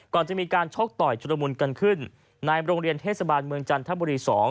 ก่อนจะมีการชกต่อยจุลมุนกันขึ้นในโรงเรียนเทศบาลเมืองจันทบุรี๒